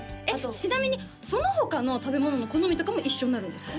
ちなみにその他の食べ物の好みとかも一緒になるんですか？